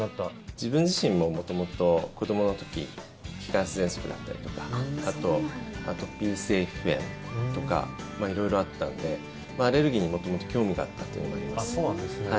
自分自身も元々、子どもの時気管支ぜんそくだったりとかあと、アトピー性皮膚炎とか色々あったのでアレルギーに元々興味があったというのはあります。